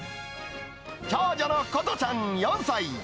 長女の心音ちゃん４歳。